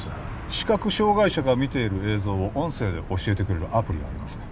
視覚障害者が見ている映像を音声で教えてくれるアプリがあります